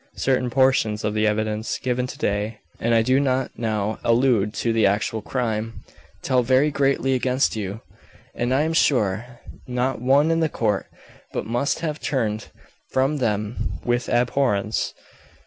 Certain portions of the evidence given to day (and I do not now allude to the actual crime) tell very greatly against you, and I am sure not one in the court but must have turned from them with abhorrence.